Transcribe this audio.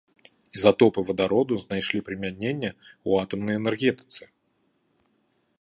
Ізатопы вадароду знайшлі прымяненне ў атамнай энергетыцы.